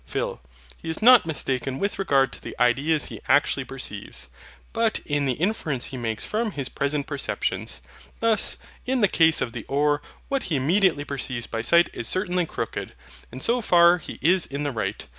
PHIL. He is not mistaken with regard to the ideas he actually perceives, but in the inference he makes from his present perceptions. Thus, in the case of the oar, what he immediately perceives by sight is certainly crooked; and so far he is in the right.